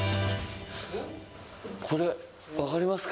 これ、分かりますか？